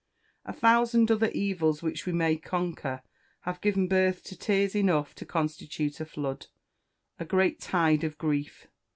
A thousand other evils which we may conquer have given birth to tears enough to constitute a flood a great tide of grief.